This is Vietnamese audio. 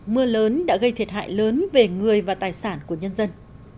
mưa lớn đã gây thiệt hại lớn về người và tài sản của nhân dân